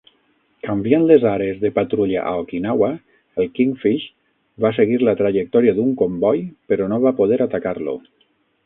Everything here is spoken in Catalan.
Canviant les àrees de patrulla a Okinawa, el Kingfish va seguir la trajectòria d'un comboi però no va poder atacar-lo.